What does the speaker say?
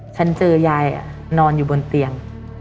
ฉันเจอยายนอนอยู่บนเตียง